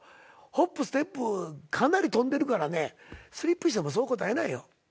ホップステップかなり跳んでるからねスリップしてもそうこたえないよ。